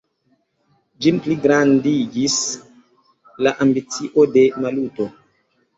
Ĝin pligrandigis la ambicio de Maluto.